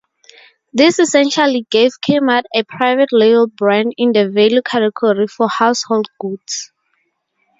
This essentially gave Kmart a private-label brand in the value category for household goods.